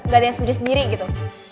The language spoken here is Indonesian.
gak ada yang sendiri sendiri gitu